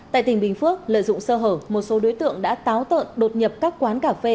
tại tỉnh bình phước lợi dụng sơ hở một số đối tượng đã táo tợn đột nhập các quán cà phê